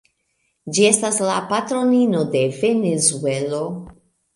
Ĝi estas la patronino de Venezuelo.